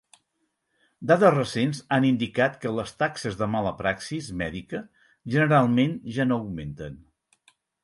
Dades recents han indicat que les taxes de mala praxis mèdica generalment ja no augmenten.